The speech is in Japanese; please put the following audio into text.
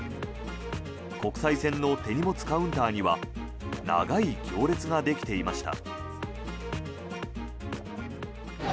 国際線の手荷物カウンターには長い行列ができていました。